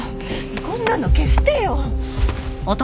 こんなの消してよ！